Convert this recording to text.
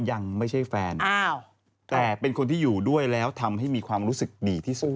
ยังไม่ใช่แฟนแต่เป็นคนที่อยู่ด้วยแล้วทำให้มีความรู้สึกดีที่สุด